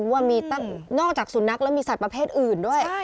ว่ามีตั้งนอกจากสุนัขแล้วมีสัตว์ประเภทอื่นด้วย